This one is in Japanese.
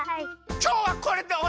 きょうはこれでおしまい！